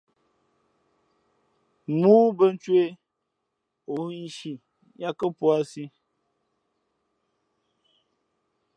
Mōō bά ncwěh, o hᾱ ǐ nshi yāt kά puǎsī.